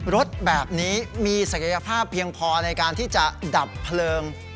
รถแบบนี้มีศักยภาพเพียงพอในการที่จะดับเพลิง